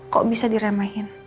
kok bisa diremahin